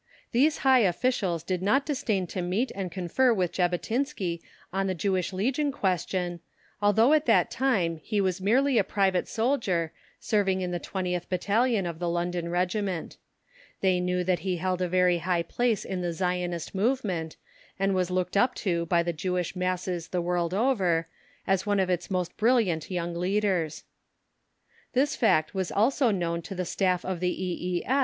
These high officials did not disdain to meet and confer with Jabotinsky on the Jewish Legion question, although at that time he was merely a private soldier, serving in the 20th Battalion of the London Regiment. They knew that he held a very high place in the Zionist movement, and was looked up to by the Jewish masses the world over as one of its most brilliant young leaders. This fact was also known to the Staff of the E.E.